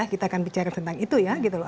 kita akan bicara tentang itu ya gitu loh